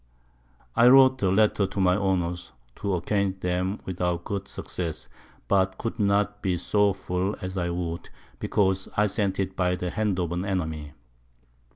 I wrote a Letter to my Owners, to acquaint 'em with our good Success, but could not be so full as I would, because I sent it by the Hand of an Enemy.